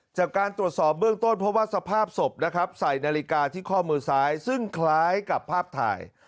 จากการตรวจสอบเบื้องต้นเพราะว่าสภาพศพนะครับใส่นาฬิกาที่ข้อมือซ้ายซึ่งคล้ายกับภาพถ่าย